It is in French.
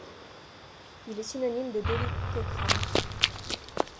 Il est synonyme de dolichocrâne.